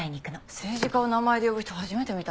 政治家を名前で呼ぶ人初めて見た。